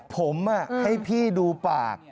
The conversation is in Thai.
ผมให้พี่ดูปาก